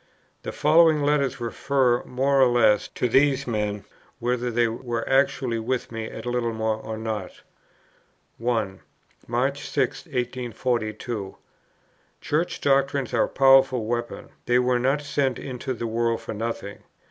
The following letters refer, more or less, to these men, whether they were actually with me at Littlemore or not: 1. "March 6, 1842. Church doctrines are a powerful weapon; they were not sent into the world for nothing.